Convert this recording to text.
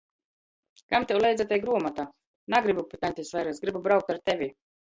Kam tev leidza tei gruomota? Nagrybu pi taņtis Verys! Grybu braukt ar tevi!